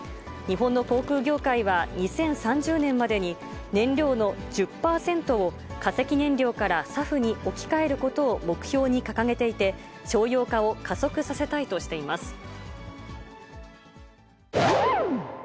日本の航空業界は２０３０年までに、燃料の１０％を化石燃料からＳＡＦに置き換えることを目標に掲げていて、商用化を加速させたいとしています。